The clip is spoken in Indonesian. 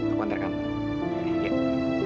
aku antar kamu